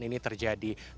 sehingga kejadian ini terjadi